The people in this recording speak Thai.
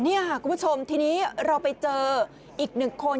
นี่ค่ะคุณผู้ชมทีนี้เราไปเจออีกหนึ่งคน